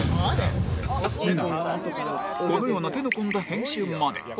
このような手の込んだ編集まで